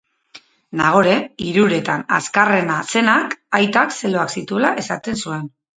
Nagore, hiruetan azkarrena zenak, aitak zeloak zituela esaten zuen.